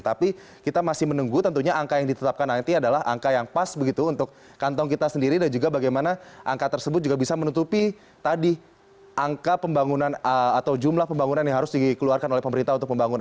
tapi kita masih menunggu tentunya angka yang ditetapkan nanti adalah angka yang pas begitu untuk kantong kita sendiri dan juga bagaimana angka tersebut juga bisa menutupi tadi angka pembangunan atau jumlah pembangunan yang harus dikeluarkan oleh pemerintah untuk pembangunan